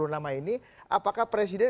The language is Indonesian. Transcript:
nama ini apakah presiden